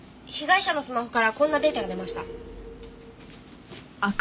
被害者のスマホからこんなデータが出ました。